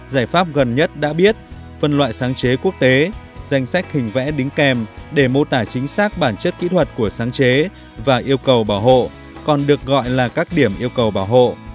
giải pháp gần nhất đã biết phân loại sáng chế quốc tế danh sách hình vẽ đính kèm để mô tả chính xác bản chất kỹ thuật của sáng chế và yêu cầu bảo hộ còn được gọi là các điểm yêu cầu bảo hộ